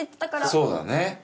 そうだね。